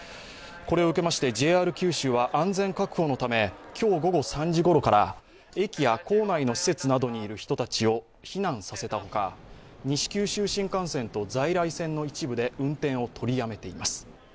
これを受けましてＪＲ九州は安全確保のため今日午後３時頃から駅や構内の施設などにいる人たちを避難させたほか、西九州新幹線と在来線の一部で運転を取りやめています。